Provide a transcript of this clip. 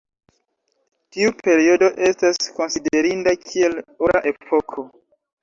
Tiu periodo estas konsiderinda kiel Ora epoko.